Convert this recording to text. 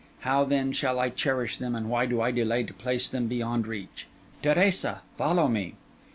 How, then, should I cherish them! and why do I delay to place them beyond reach! Teresa, follow me.